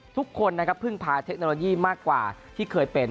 ทุกคนนะครับพึ่งพาเทคโนโลยีมากกว่าที่เคยเป็น